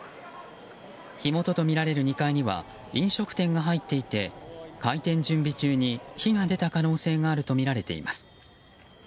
火元とみられる２階には飲食店が入っていて開店準備中に火が出た可能性があるとみられています。